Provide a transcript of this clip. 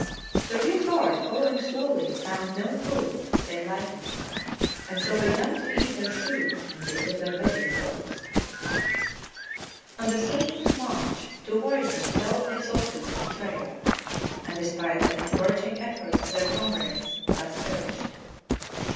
The rear guard following slowly found no food save lichens, and so began to eat their shoes and bits of their bedding robes. On the third march two voyageurs fell exhausted on the trail, and despite the encouraging efforts of their comrades thus perished.